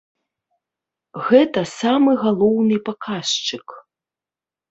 Гэта самы галоўны паказчык.